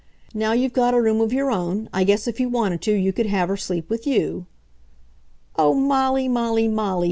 Now you've got a room of your own, I guess if you wanted to you could have her sleep with you." "Oh, Molly, Molly, Molly!"